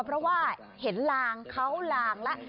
เพราะว่าเห็นลางเขาลางแล้ว